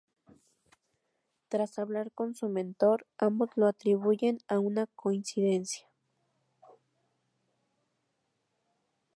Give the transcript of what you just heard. Tras hablar con su mentor, ambos lo atribuyen a una coincidencia.